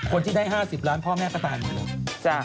คนที่ได้๕๐ล้านพ่อแม่ก็ตามมาเลย